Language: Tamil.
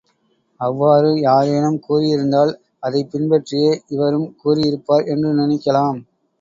அவ்வாறு, யாரேனும் கூறியிருந்தால், அதைப் பின்பற்றியே இவரும் கூறி இருப்பார் என்று நினைக்கலாம்.